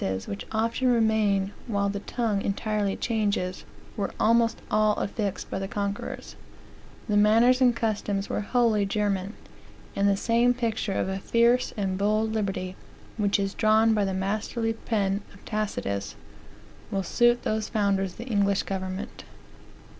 The language was pure Saxon; even the names of places, which often remain while the tongue entirely changes, were almost all affixed by the conquerors; the manners and customs were wholly German; and the same picture of a fierce and bold liberty, which is drawn by the masterly pen of Tacitus, will suit those founders of the English government.